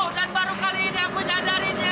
dan baru kali ini aku nyadarinya